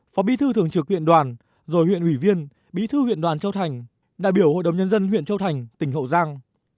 phó bí thư thường trực huyện đoàn rồi huyện ủy viên bí thư huyện đoàn châu thành đại biểu hội đồng nhân dân huyện châu thành tỉnh hậu giang